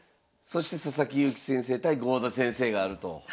そして佐々木勇気先生対郷田先生があると。